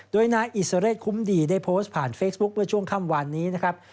โดยนายอิสระเรศคุ้มดีได้โพสต์ผ่านเฟซบุ๊คเมื่อช่วงค่ำวานนี้นะครับ